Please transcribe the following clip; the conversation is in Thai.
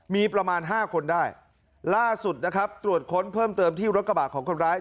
มีประมาณ๕คนได้ล่าสุดนะครับตรวจค้นเพิ่มเติมที่รถกระบะของคนร้าย